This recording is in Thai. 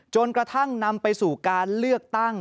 จนกระทั่งนำไปสู่การเลือกตั้ง